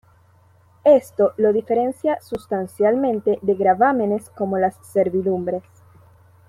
Esto lo diferencia sustancialmente de gravámenes como las servidumbres.